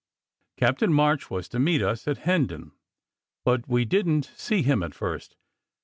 Captain March was to meet us at Hendon, but we didn t see him at first.